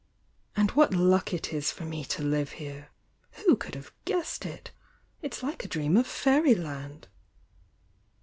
"And what luck it is for me to live here! Who could have guessed It! It's like a dream of fairyland!"